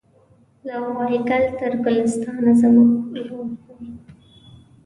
له وایګل تر ګلستانه زموږ لور دی